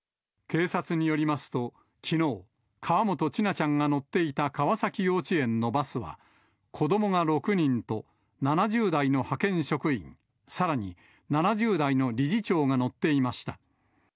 警察によりますと、きのう、河本千奈ちゃんが乗っていた川崎幼稚園のバスは、子どもが６人と、７０代の派遣職員、さらに７０代の理事長が乗っていました。